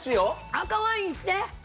赤ワインいって！